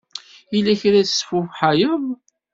Yella kra i tesfuḥayeḍ?